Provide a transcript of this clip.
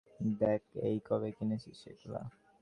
দেখ, এই, কবে কিনেছিস এগুলা?